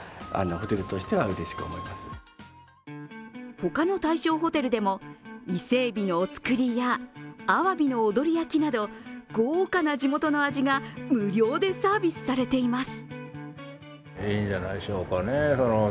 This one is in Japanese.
他の対象ホテルでも伊勢えびのお造りやあわびの踊り焼きなど豪華な地元の味が無料でサービスされています。